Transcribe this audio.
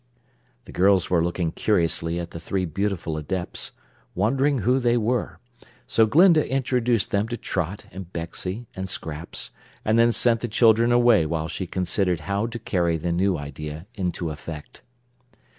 The girls were looking curiously at the three beautiful Adepts, wondering who they were, so Glinda introduced them to Trot and Betsy and Scraps, and then sent the children away while she considered how to carry the new idea into effect.